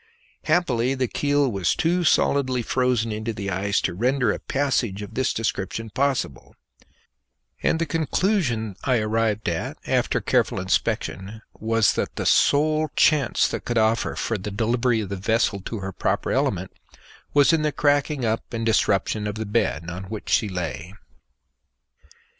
Happily the keel was too solidly frozen into the ice to render a passage of this description possible; and the conclusion I arrived at after careful inspection was that the sole chance that could offer for the delivery of the vessel to her proper element was in the cracking up and disruption of the bed on which she lay.